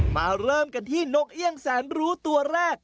เริ่มกันที่นกเอี่ยงแสนรู้ตัวแรก